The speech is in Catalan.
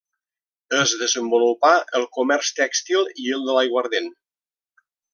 Es desenvolupà el comerç tèxtil i el de l'aiguardent.